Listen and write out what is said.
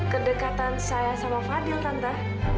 kedekatan saya sama fadil tanta